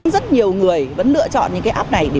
rất nhiều người vẫn lựa chọn những cái app này